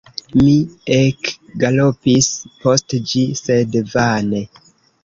Mi ekgalopis post ĝi, sed vane.